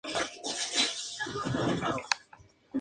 Le sobreviven su esposa Isabel, y tres de sus cuatro niños.